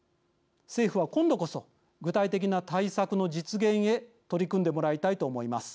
政府は今度こそ具体的な対策の実現へ取り組んでもらいたいと思います。